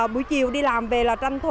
bữa chiều đi làm về là tranh thủ